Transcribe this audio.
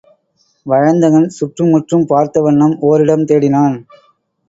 வயந்தகன் சுற்றும் முற்றும் பார்த்த வண்ணம் ஓரிடம் தேடினான்.